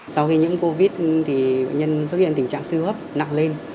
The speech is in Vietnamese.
sau khi nhiễm covid một mươi chín thì bệnh nhân xuất hiện tình trạng sưu hấp nặng lên